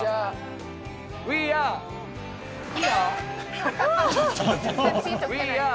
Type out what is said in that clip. ウィーアー。